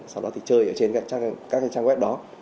sau đó thì chơi ở trên các cái trang web đó